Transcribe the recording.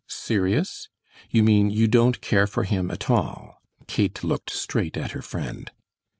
"Serious? You mean you don't care for him at all?" Kate looked straight at her friend.